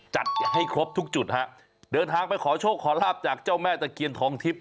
จัดให้ครบทุกจุดฮะเดินทางไปขอโชคขอลาบจากเจ้าแม่ตะเคียนทองทิพย